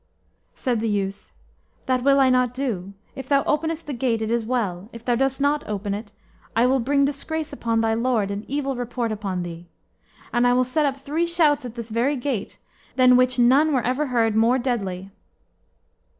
Said the youth: "That will I not do. If thou openest the gate, it is well. If thou dost not open it, I will bring disgrace upon thy lord, and evil report upon thee. And I will set up three shouts at this very gate, than which none were ever heard more deadly."